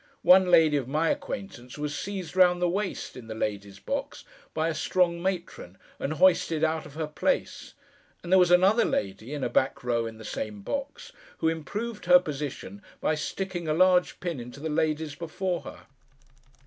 One lady of my acquaintance was seized round the waist, in the ladies' box, by a strong matron, and hoisted out of her place; and there was another lady (in a back row in the same box) who improved her position by sticking a large pin into the ladies before her.